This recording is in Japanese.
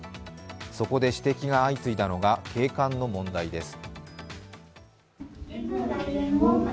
そこで指摘が相次いだのが景観の問題です。